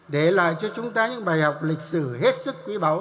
để lại cho chúng ta những bài học lịch sử hết sức quý báu